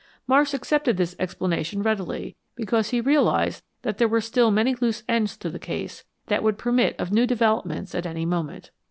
Marsh accepted this explanation readily, because he realized that there were still many loose ends to the case that would permit of new developments at any moment.